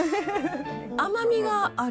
甘みがある。